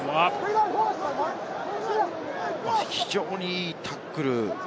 非常にいいタックル。